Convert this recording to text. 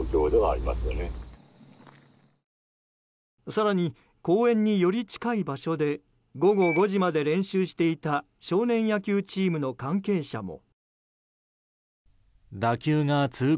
更に公園に、より近い場所で午後５時まで練習していた少年野球チームの関係者も。